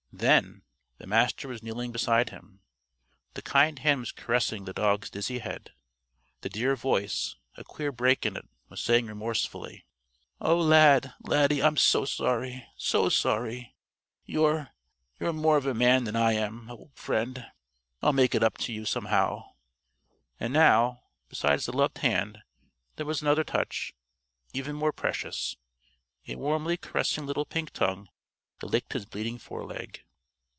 Then the Master was kneeling beside him. The kind hand was caressing the dog's dizzy head, the dear voice a queer break in it was saying remorsefully: "Oh Lad! Laddie! I'm so sorry. So sorry! You're you're more of a man than I am, old friend. I'll make it up to you, somehow!" And now besides the loved hand, there was another touch, even more precious a warmly caressing little pink tongue that licked his bleeding foreleg.